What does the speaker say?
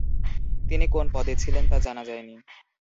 তিনি কোন পদে ছিলেন তা জানা যায়নি।